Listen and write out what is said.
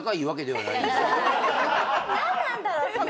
何なんだろうその。